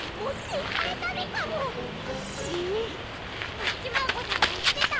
プッチマーゴさんがいってた。